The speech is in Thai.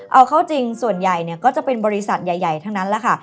เอาเข้าจริงส่วนใหญ่ก็จะเป็นบริษัทใหญ่ทั้งนั้นแหละค่ะ